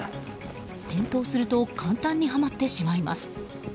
転倒すると、簡単にはまってしまいます。